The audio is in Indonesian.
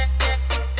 ineng seperti aku